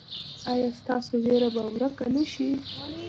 ایا ستاسو ویره به ورکه نه شي؟